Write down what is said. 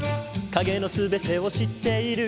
「影の全てを知っている」